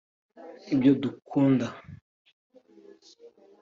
ibyo dukunda